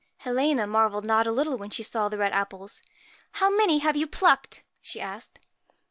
Helena marvelled not a little when she saw the red apples. 1 How many have you plucked ?' she asked.